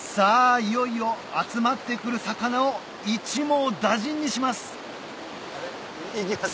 いよいよ集まって来る魚を一網打尽にします行きます？